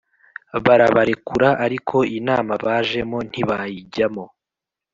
barabarekura ariko inama bajemo ntibayijyamo